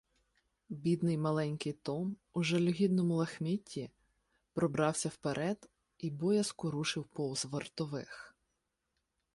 Бідний маленький Том у жалюгідному лахмітті пробрався вперед і боязко рушив повз вартових.